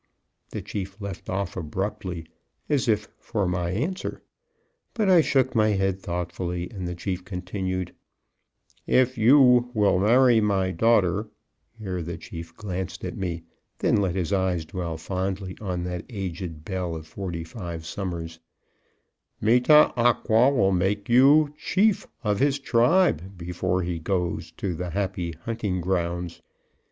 The chief left off abruptly, as if for my answer, but I shook my head thoughtfully, and the chief continued: "If you will marry my daughter (here the chief glanced at me, then let his eyes dwell fondly on that aged belle of forty five summers), Me tah ah qua will make you chief of his tribe before he goes to the Happy Hunting Grounds.